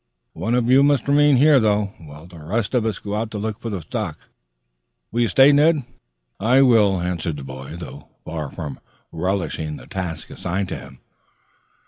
One of you must remain here, though, while the rest of us go out to look for the stock. Will you stay, Ned?" "I will," answered the boy, though far from relishing the task assigned to him.